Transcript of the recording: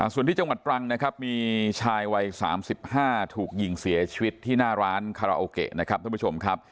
ส่วนที่จังหวัดตรังนะครับมีชายวัย๓๕ถูกยิงเสียชีวิตที่หน้าร้านคาราโอเกะนะครับท่านผู้ชมครับ